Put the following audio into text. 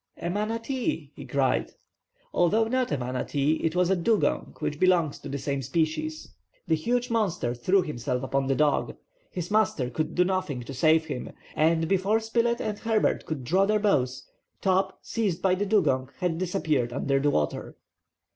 "A manatee," he cried. Although not a manatee, it was a dugong, which belongs to the same species. The huge monster threw himself upon the dog. His master could do nothing to save him, and, before Spilett or Herbert could draw their bows, Top, seized by the dugong, had disappeared under the water.